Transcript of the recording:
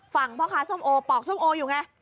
พ่อค้าส้มโอปอกส้มโออยู่ไง